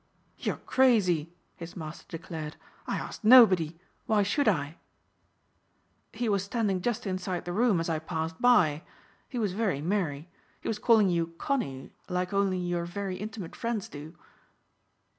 "You're crazy," his master declared, "I asked nobody. Why should I?" "He was standing just inside the room as I passed by. He was very merry. He was calling you 'Connie' like only your very intimate friends do."